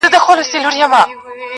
په ډکي هدیرې دي نن سبا په کرنتین کي-